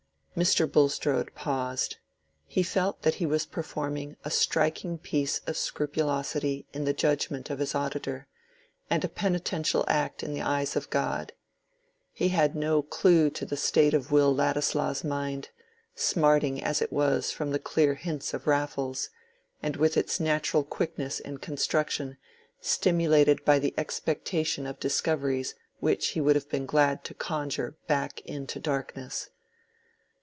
Mr. Bulstrode paused. He felt that he was performing a striking piece of scrupulosity in the judgment of his auditor, and a penitential act in the eyes of God. He had no clew to the state of Will Ladislaw's mind, smarting as it was from the clear hints of Raffles, and with its natural quickness in construction stimulated by the expectation of discoveries which he would have been glad to conjure back into darkness.